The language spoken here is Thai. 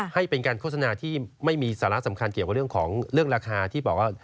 ให้เป็นการโฆษณาที่ไม่มีสาระสำคัญเกี่ยวกับเรื่องของเรื่องราคาที่บอกว่า